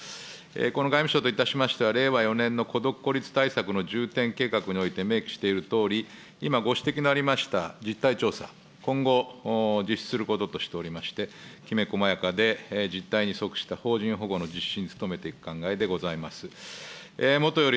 いたしましては、令和４年の孤独・孤立対策の重点計画において明記しているとおり、今ご指摘のありました実態調査、今後、実施することとしておりまして、きめこまやかで、実態に即した邦人保護の実施に努めていく考えでございます。